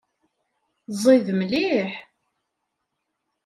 Ẓid mliḥ.